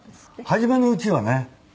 初めのうちはね。